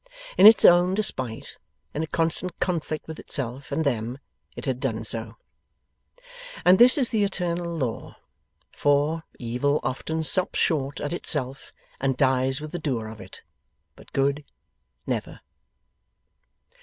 In its own despite, in a constant conflict with itself and them, it had done so. And this is the eternal law. For, Evil often stops short at itself and dies with the doer of it; but Good, never.